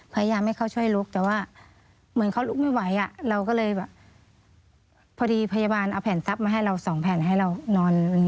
พยายามให้เขาช่วยลุกแต่ว่าเหมือนเขาลุกไม่ไหวอ่ะเราก็เลยแบบพอดีพยาบาลเอาแผ่นทรัพย์มาให้เราสองแผ่นให้เรานอน